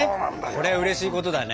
これはうれしいことだね。